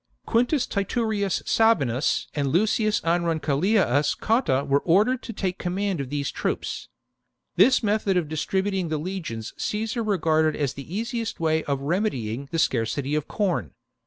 Quintus Titurius Sabinus and I'cius Aurunculeius Cotta 144 THE DISASTER AT ADUATUCA book 54 B.C. were ordered to take command of these troops. This method of distributing the legions Caesar regarded as the easiest way of remedying the scarcity of corn.